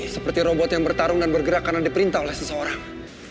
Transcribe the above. seperti robot yang bertarung dan bergerak karena diperintah oleh seseorang